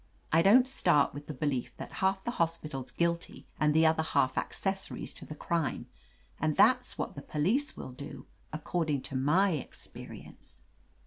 I don't start with the belief that half the hos pital's guilty and the other half accessories to the crime, and that's what the police will do, according to my experience."